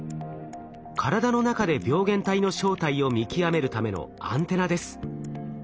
体の中で病原体の正体を見極めるためのアンテナです。